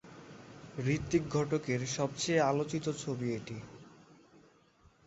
ঋত্বিক ঘটকের সবচেয়ে আলোচিত ছবি এটি।